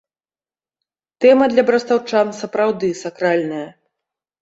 Тэма для брастаўчан, сапраўды, сакральная.